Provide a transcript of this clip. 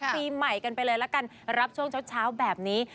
ปีใหม่กันไปเลยละกันรับช่วงเช้าแบบนี้